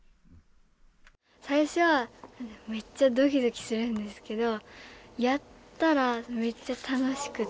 最初はめっちゃドキドキするんですけどやったらめっちゃ楽しくて。